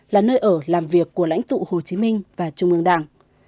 là nơi ở làm việc của lãnh tụ hồ chí minh và trung ương đảng